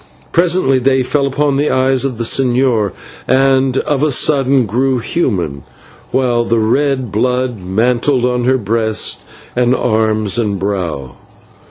Presently they fell upon the eyes of the señor, and of a sudden grew human, while the red blood mantled on her breast and arms and brow.